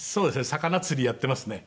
魚釣りやっていますね。